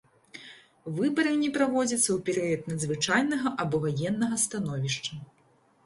Выбары не праводзяцца ў перыяд надзвычайнага або ваеннага становішча.